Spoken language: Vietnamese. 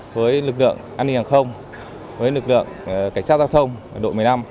với lực lượng an ninh hàng không với lực lượng cảnh sát giao thông đội một mươi năm